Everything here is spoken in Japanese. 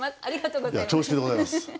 ありがとうございます。